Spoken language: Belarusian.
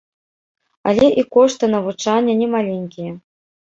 Але і кошты навучання немаленькія.